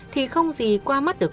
thì không gì qua mắt được